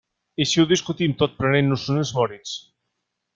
I si ho discutim tot prenent-nos unes Moritz?